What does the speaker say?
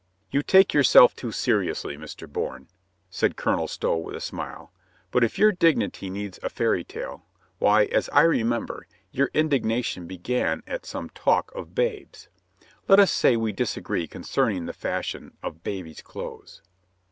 "You take yourself too seriously, Mr. Bourne," said Colonel Stow with a smile. "But if your dignity needs a fairy tale, why, as I remember, your indig nation began at some talk of babes. Let us say we disagree concerning the fashion of babies' clothes."